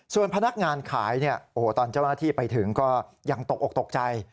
ส่วนพนักงานขายตอนเจ้าหน้าที่ไปถึงก็ยังตกอกตกใจ